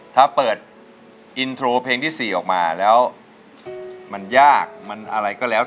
ถ้าเปิดอินโทรเพลงที่๔ออกมาแล้วมันยากมันอะไรก็แล้ว